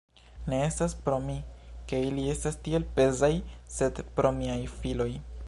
Ne estas pro mi, ke ili estas tiel pezaj, sed pro miaj filoj.